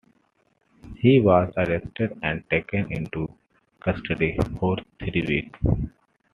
He was arrested and taken into custody for three weeks.